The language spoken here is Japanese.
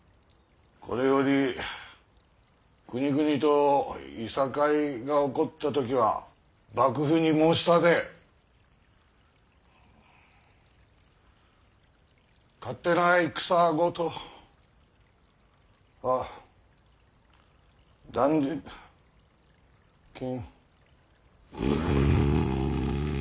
これより国々といさかいが起こった時は幕府に申し立て勝手な戦事は断じ禁。